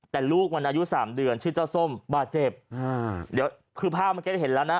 แต่ลูกมันอายุสามเดือนชื่อเจ้าส้มบาดเจ็บอ่าเดี๋ยวคือภาพเมื่อกี้เห็นแล้วนะ